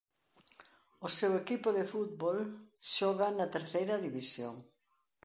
O seu equipo de fútbol xoga na terceira división.